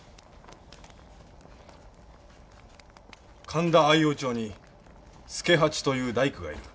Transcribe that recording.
神田相生町に助八という大工がいる。